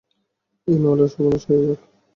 এই মলের সর্বনাশ হয়ে যাক!